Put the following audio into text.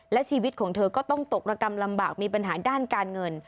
และชีวิตของเธอก็ต้องตกระกำลำบากมีปัญหาด้านการเงิน